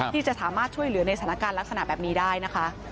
ที่จะสามารถช่วยเหลือในสถานการณ์ลักษณะแบบนี้ได้นะคะ